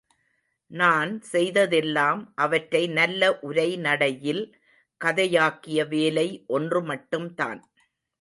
நான் செய்ததெல்லாம் அவற்றை நல்ல உரைநடையில் கதையாக்கிய வேலை ஒன்று மட்டும்தான்.